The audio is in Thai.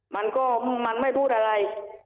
มันก็มันไม่พูดอะไร